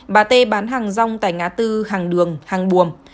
bà tê bán hàng rong tại ngã tư hàng đường hàng buồm